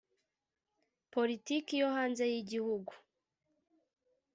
Poritiki yo hanze y igihugu